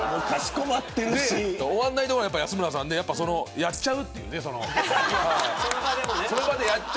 これで終わんないところが安村さんでやっちゃうっていう。